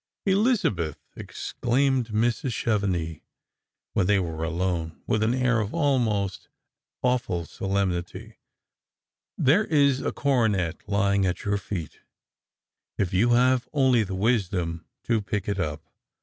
" Eliziiibeth," exclaimed Mrs. Chevenix, when they were alone, with an air of almost awful solemnity, " there is a coronet lying at your feet, if you have only the wisdom to pick it up.